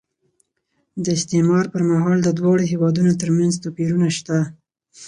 د استعمار پر مهال د دواړو هېوادونو ترمنځ توپیرونه شته.